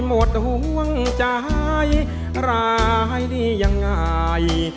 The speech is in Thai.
หมดห่วงใจร้ายได้ยังไง